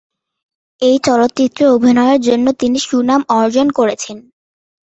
এই চলচ্চিত্রে অভিনয়ের জন্য তিনি সুনাম অর্জন করেছেন।